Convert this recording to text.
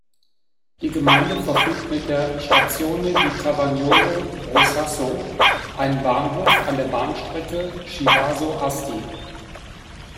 Die Gemeinde verfügt mit der "Stazione di Cavagnolo-Brusasco" einen Bahnhof an der Bahnstrecke Chivasso–Asti.